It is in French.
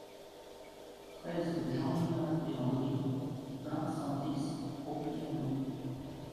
treize rue Jean Donat Leandri, vingt, cent dix, Propriano